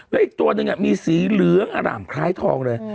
แล้วอีกตัวหนึ่งมีสีเหลืองอร่ามคล้ายทองเลย